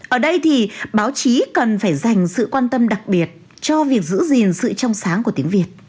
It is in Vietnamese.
ở đây thì báo chí cần phải dành sự quan tâm đặc biệt cho việc giữ gìn sự trong sáng của tiếng việt